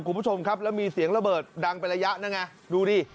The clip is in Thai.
คุณผู้ชมครับแล้วมีเสียงระเบิดดังเป็นระยะนั่นไงดูดิ